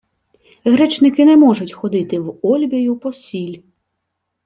— Гречники не можуть ходити в Ольбію по сіль.